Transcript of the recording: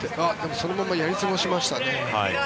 そのままやり過ごしましたね。